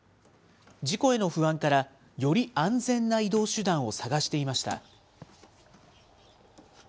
事故への不安から、より安全な移動手段を探していました。